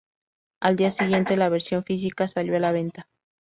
Al día siguiente, la versión física salió a la venta.